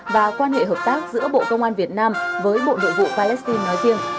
và quan hệ hợp tác giữa bộ công an việt nam với bộ nội vụ palestine nói riêng